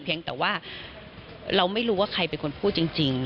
เพียงแต่ว่าเราไม่รู้ว่าใครเป็นคนพูดจริง